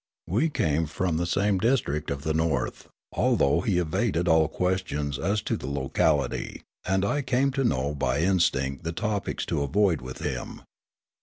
We came from the same district of the North, although he evaded all questions as to the localit)' ; and I came to know by instinct the topics to avoid with him.